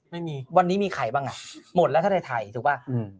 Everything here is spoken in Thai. ไม่มีวันนี้มีใครบ้างอ่ะหมดแล้วถ้าในไทยถูกป่ะอืม